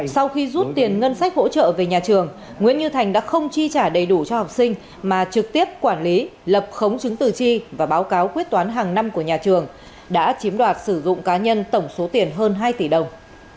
sau khi rút tiền ngân sách hỗ trợ về nhà trường nguyễn như thành đã không chi trả đầy đủ cho học sinh mà trực tiếp quản lý lập khống chứng từ chi và báo cáo quyết toán hàng năm của nhà trường đã chiếm đoạt sử dụng cá nhân tổng số tiền hơn hai tỷ đồng